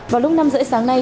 vào lúc năm rưỡi sáng nay